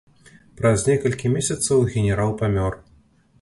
Праз некалькі месяцаў генерал памёр.